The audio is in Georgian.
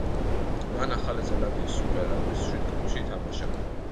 მან ახალი ზელანდიის სუპერ რაგბის შვიდ კლუბში ითამაშა.